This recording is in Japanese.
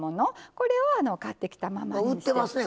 これは買ってきたまま。